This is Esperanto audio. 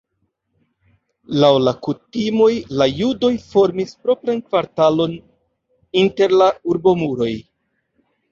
Laŭ la kutimoj la judoj formis propran kvartalon inter la urbomuroj.